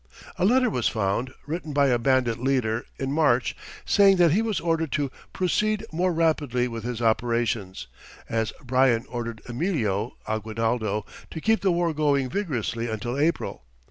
A letter was found, written by a bandit leader, in March, saying that he was ordered to "proceed more rapidly" with his operations, "as Bryan ordered Emilio (Aguinaldo) to keep the war going vigorously until April."